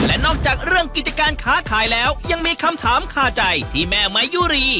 และนอกจากเรื่องกิจการค้าขายแล้วยังมีคำถามคาใจที่แม่ไม้ยุรี